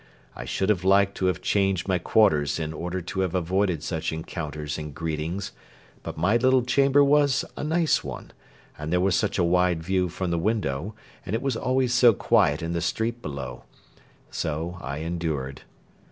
I should have liked to have changed my quarters in order to have avoided such encounters and greetings; but my little chamber was a nice one, and there was such a wide view from the window, and it was always so quiet in the street below so I endured.